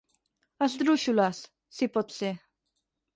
Esdrúixoles, si pot ser.